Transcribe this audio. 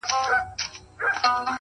هوښیار انتخابونه روښانه پایلې راوړي؛